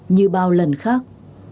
như bao lần khác